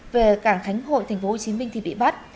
về cảng khánh hội tp hcm thì bị bắt